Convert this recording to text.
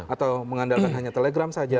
atau mengandalkan hanya telegram saja